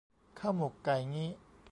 ข้าวหมกไก่งี้